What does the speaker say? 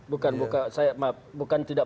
bukan bukan saya bukan tidak